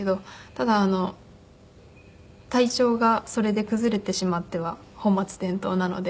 ただ体調がそれで崩れてしまっては本末転倒なので。